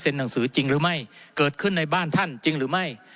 หนังสือจริงหรือไม่เกิดขึ้นในบ้านท่านจริงหรือไม่